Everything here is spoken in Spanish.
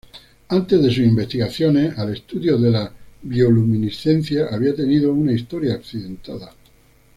Antes de sus investigaciones al estudio de la bioluminiscencia había tenido una historia accidentada.